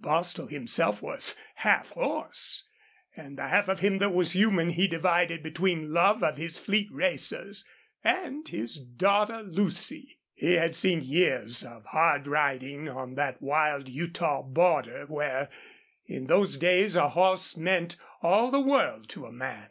Bostil himself was half horse, and the half of him that was human he divided between love of his fleet racers and his daughter Lucy. He had seen years of hard riding on that wild Utah border where, in those days, a horse meant all the world to a man.